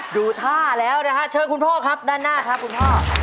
ดูท่าแล้วนะฮะเชิญคุณพ่อครับด้านหน้าครับคุณพ่อ